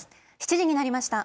７時になりました。